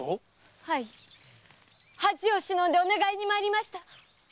〔はい恥を忍んでお願いに参りました〕